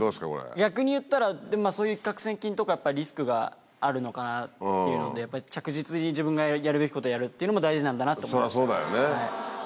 逆にいったら、一獲千金とかリスクがあるのかなっていうので、やっぱり着実に自分がやるべきことをやるっていうのも大事なんだなと思いました。